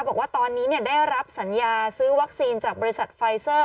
บอกว่าตอนนี้ได้รับสัญญาซื้อวัคซีนจากบริษัทไฟเซอร์